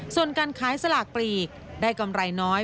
ส่วนการขายสลากปลีกได้กำไรน้อย